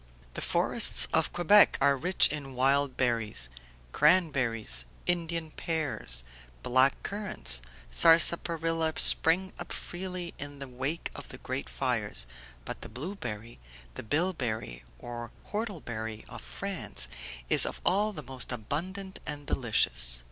The forests of Quebec are rich in wild berries; cranberries, Indian pears, black currants, sarsaparilla spring up freely in the wake of the great fires, but the blueberry, the bilberry or whortleberry of France, is of all the most abundant and delicious.